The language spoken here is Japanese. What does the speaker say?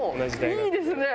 いいですね。